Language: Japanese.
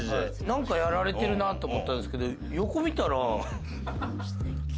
なんかやられてるなと思ったんですけど横見たら。